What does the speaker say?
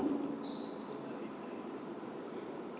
thì tôi biết là